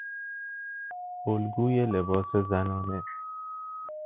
الگوی لباس زنانه